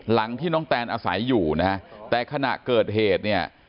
หลังที่น้องแตนอาศัยอยู่นะฮะแต่ขณะเกิดเหตุเนี่ย